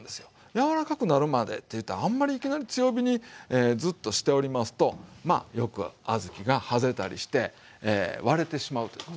柔らかくなるまでっていったらあんまりいきなり強火にずっとしておりますとよく小豆がはぜたりして割れてしまうということがある。